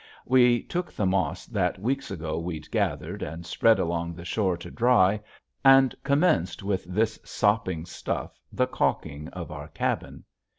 We took the moss that weeks ago we'd gathered and spread along the shore to dry and commenced with this sopping stuff the calking of our cabin.